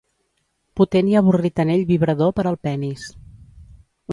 Potent i avorrit anell vibrador per al penis.